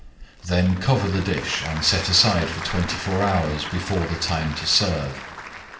Then cover the dish and set aside for 24 hours before the time to serve.